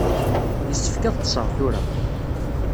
Yessefk ad ṭṭseɣ tura.